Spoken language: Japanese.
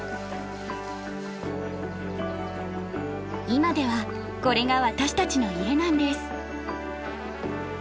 今ではこれが私たちの家なんです。